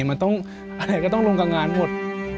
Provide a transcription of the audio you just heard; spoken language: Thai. มันต้องอะไรก็ต้องลงกับงานหมด